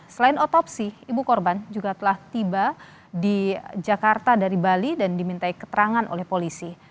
selain otopsi ibu korban juga telah tiba di jakarta dari bali dan diminta keterangan oleh polisi